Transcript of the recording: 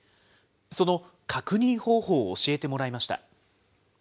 その確認方法を教えてもらいました。